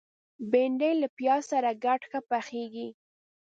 بېنډۍ له پیاز سره ګډه ښه پخیږي